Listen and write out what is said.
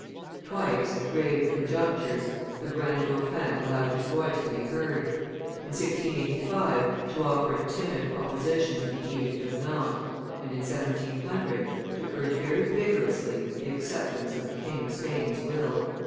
Twice, at grave conjunctures, the grand dauphin allowed his voice to be heard; in 1685, to offer a timid opposition to the Edict of Nantes, and, in 1700, to urge very vigorously the acceptance of the King of Spain's will.